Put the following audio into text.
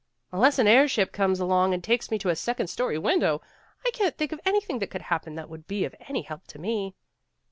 "Unless an air ship comes along and takes me to a second story window, I can't think of anything that could happen that would be of any help to me."